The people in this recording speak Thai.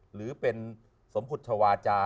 หรือเป็นสมพุทธวาจา